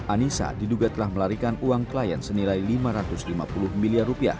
anissa diduga telah melarikan uang klien senilai rp lima ratus lima puluh miliar